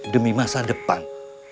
demi masa depan